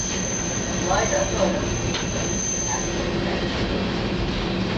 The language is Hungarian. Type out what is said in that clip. Majd a szolnoki Szigligeti Színházhoz szerződött.